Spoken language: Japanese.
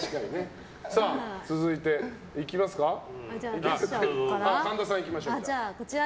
続いて、神田さんいきましょう。